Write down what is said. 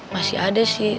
masih ada sih